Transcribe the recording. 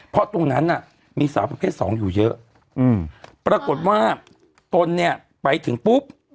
เพราะตรงนั้นน่ะมีสาวประเภทสองอยู่เยอะปรากฏว่าตนเนี่ยไปถึงปุ๊บ